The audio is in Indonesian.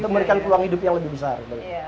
memberikan peluang hidup yang lebih besar